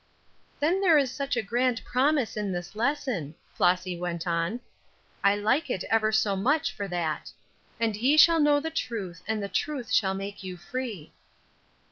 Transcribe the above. "Then there is such a grand promise in this lesson," Flossy went on. "I like it ever so much for that. 'And ye shall know the truth, and the truth shall make you free.'"